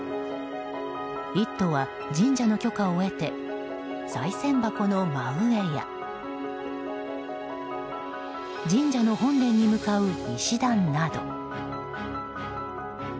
「イット！」は神社の許可を得てさい銭箱の真上や神社の本殿に向かう石段など。